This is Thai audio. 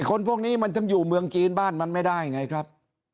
คนพวกนี้มันถึงอยู่เมืองจีนบ้านมันไม่ได้ไงครับ